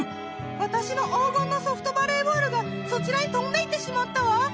わたしの黄金のソフトバレーボールがそちらにとんでいってしまったわ。